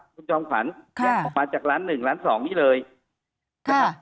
คุณจอมขวัญค่ะแยกออกมาจากล้านหนึ่งล้านสองนี้เลยค่ะ